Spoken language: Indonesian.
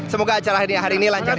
semoga acara hari ini lancar